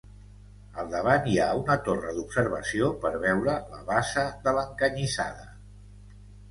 Al davant hi ha una torre d'observació per veure la bassa de l'Encanyissada.